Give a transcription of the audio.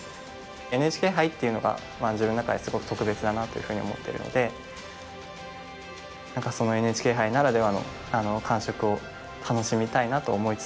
ＮＨＫ杯っていうのが自分の中ですごく特別だなというふうに思ってるので何かそのＮＨＫ杯ならではの感触を楽しみたいなと思いつつ